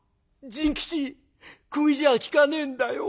「甚吉くぎじゃ効かねえんだよ。